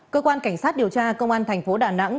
cơ quan cảnh sát điều tra công an tp đà nẵng